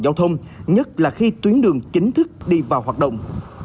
giao thông nhất là khi tuyến đường chính thức đi vào hoạt động